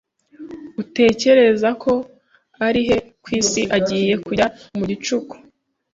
Utekereza ko ari he ku isi agiye kujya mu gicuku?